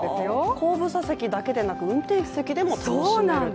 後部座席だけでなく運転席でも楽しめると。